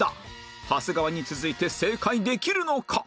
長谷川に続いて正解できるのか？